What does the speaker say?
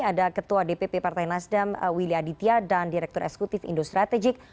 ada ketua dpp partai nasdem willy aditya dan direktur eksekutif indo strategik